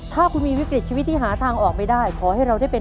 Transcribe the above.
วันนี้สวัสดีครับ